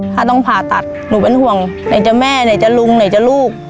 ถ้าต้องผ่าตัดหนูเป็นห่วงไหนจะแม่ไหนจะลุงไหนจะลูก